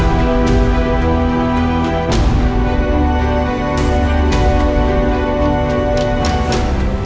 aku akan melakukannya